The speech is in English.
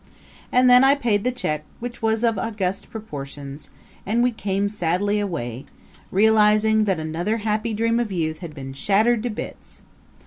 And then I paid the check, which was of august proportions, and we came sadly away, realizing that another happy dream of youth had been shattered to bits.